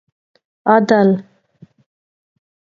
عدل